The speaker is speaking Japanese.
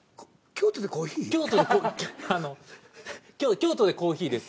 京都でコーヒーです。